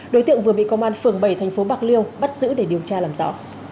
đối tượng vừa bị công an phường bảy thành phố bạc liêu bắt giữ để điều tra làm rõ